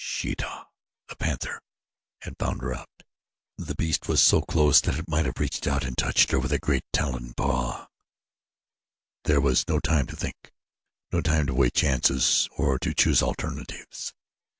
Sheeta, the panther, had found her out. The beast was so close that it might have reached out and touched her with a great, taloned paw. There was no time to think, no time to weigh chances or to choose alternatives.